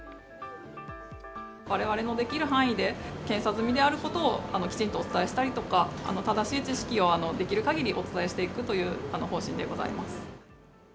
われわれのできる範囲で、検査済みであることをきちんとお伝えしたりとか、正しい知識をできるかぎりお伝えしていくという方針でございます。